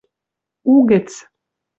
угӹц